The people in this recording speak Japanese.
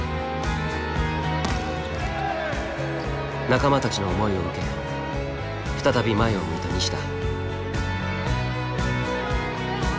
仲間たちの思いを受け再び前を向いた西田。